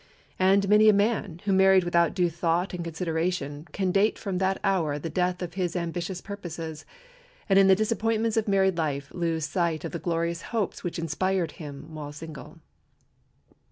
And many a man who married without due thought and consideration can date from that hour the death of his ambitious purposes, and in the disappointments of married life lose sight of the glorious hopes which inspired him while single.